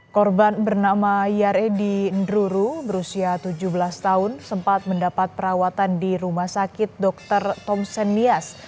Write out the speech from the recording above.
korban bernama yaredi nruru berusia tujuh belas tahun sempat mendapat perawatan di rumah sakit dr tomsenias